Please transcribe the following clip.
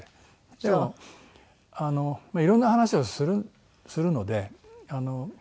でもいろんな話をするので。